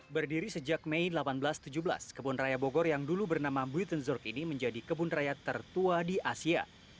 berdiri sejak mei seribu delapan ratus tujuh belas kebun raya bogor yang dulu bernama buiton zorg ini menjadi kebun raya tertua di asia